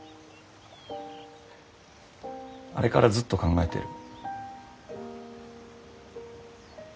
あれからずっと考えてる。